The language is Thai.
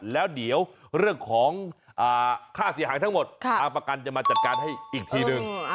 แล้วเดี๋ยวเรื่องของค่าเสียหายทั้งหมดทางประกันจะมาจัดการให้อีกทีนึง